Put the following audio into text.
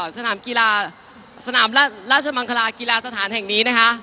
สนามกีฬาสนามราชมังคลากีฬาสถานแห่งนี้นะคะ